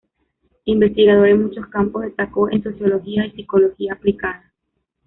Investigador en muchos campos, destacó en sociología y psicología aplicada.